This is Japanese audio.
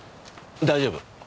大丈夫。